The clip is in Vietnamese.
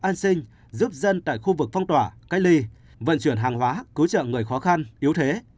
an sinh giúp dân tại khu vực phong tỏa cách ly vận chuyển hàng hóa cứu trợ người khó khăn yếu thế